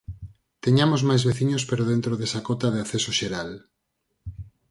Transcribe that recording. Teñamos máis veciños pero dentro desa cota de acceso xeral.